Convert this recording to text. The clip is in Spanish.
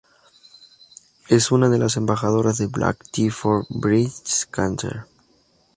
Es una de las embajadoras de "Black Tie For Breast Cancer".